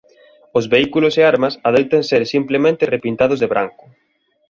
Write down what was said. Os vehículos e armas adoitan ser simplemente repintados de branco.